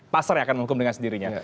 pasar yang akan menghukum dengan sendirinya